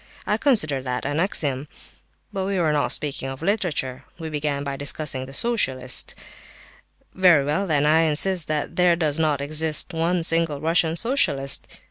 I consider that an axiom. But we were not speaking of literature; we began by discussing the socialists. Very well then, I insist that there does not exist one single Russian socialist.